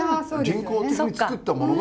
人工的に作ったものが。